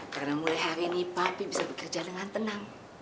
karena mulai hari ini papi bisa bekerja dengan tenang